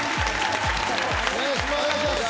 お願いします！